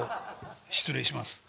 失礼します。